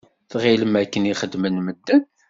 Tɣilem akken i xeddmen medden?